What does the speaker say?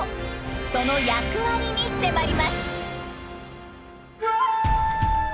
その役割に迫ります。